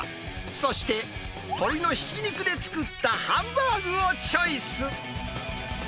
そして鶏のひき肉で作ったハンバーグをチョイス。